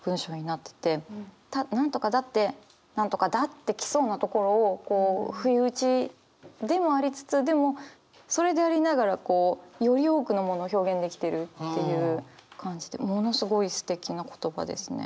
「何とかだって何とかだ」って来そうなところを不意打ちでもありつつでもそれでありながらより多くのものを表現できてるっていう感じでものすごいすてきな言葉ですね。